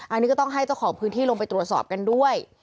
อันนี้ก็ต้องให้เจ้าของพื้นที่ลงไปตรวจสอบกันด้วย